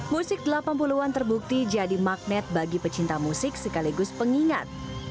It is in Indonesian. musik delapan puluh an terbukti jadi magnet bagi pecinta musik sekaligus pengingat